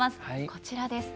こちらです。